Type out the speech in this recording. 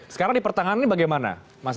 sekarang dipertangani bagaimana